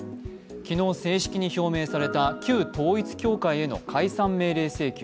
昨日、正式に表明された旧統一教会への解散命令請求。